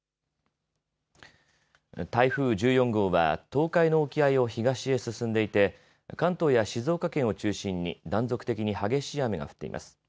台風１４号は東海の沖合を東へ進んでいて関東や静岡県を中心に断続的に激しい雨が降っています。